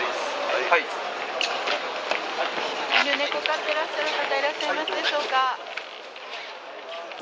はい犬猫飼ってらっしゃる方いらっしゃいますでしょうか